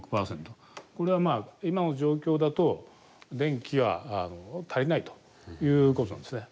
これはまあ今の状況だと電気が足りないということなんですね。